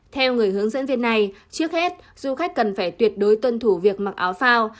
theo người hướng dẫn viên này trước hết du khách cần phải tuyệt đối tuân thủ việc mặc áo phao